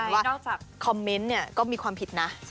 ว่าคอมเม้นต์ก็มีความผิดนะ